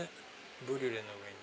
ブリュレの上に。